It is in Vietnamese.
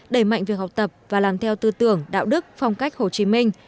đẩy mạnh việc học tập và làm theo tư tưởng đạo đức phong cách hồ chí minh